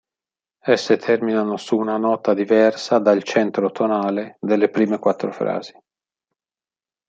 Esse terminano su una nota diversa dal centro tonale delle prime quattro frasi.